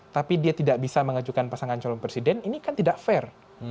tapi dia tidak bisa mengajukan pasangan calon presiden ini kan tidak fair